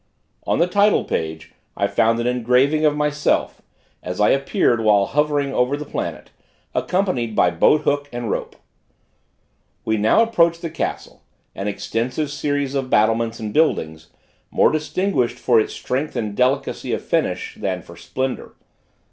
On the title page I found an engraving of myself, as I appeared while hovering over the planet, accompanied by boat hook and rope. We now approached the castle, an extensive series of battlements and buildings, more distinguished for its strength and delicacy of finish than for splendor.